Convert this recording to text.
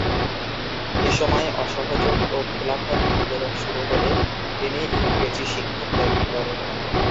এসময় অসহযোগ ও খিলাফত আন্দোলন শুরু হলে তিনি ইংরেজি শিক্ষা ত্যাগ করেন।